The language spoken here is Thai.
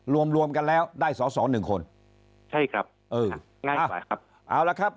รวมรวมกันแล้วได้สอสอหนึ่งคนใช่ครับเออเอาล่ะครับ